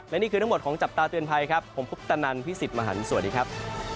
และนี่คือนักหมดของจับตาเตือนไพรผมพุทธนันทร์พิสิทธิ์มหาลสวัสดีครับ